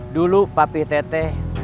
dulu papi teteh